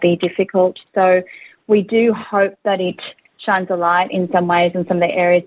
jadi kami berharap ini akan menjadi cahaya di beberapa bagian